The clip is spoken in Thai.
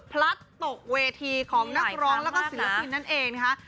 พลัดตกเวทีของนักร้องแล้วก็ศิลปินนั่นเองนะคะ